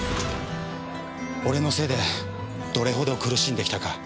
俺のせいでどれほど苦しんできたか。